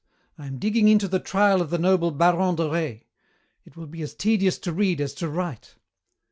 I am digging into the trial of the noble baron de Rais. It will be as tedious to read as to write!"